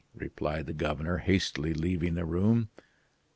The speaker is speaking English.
replied the governor, hastily leaving the room.